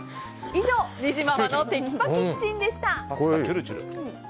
以上にじままのテキパキッチンでした。